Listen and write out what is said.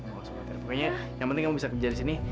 pokoknya yang penting kamu bisa kerja disini